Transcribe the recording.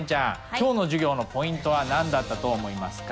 今日の授業のポイントは何だったと思いますか？